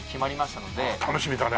楽しみだね。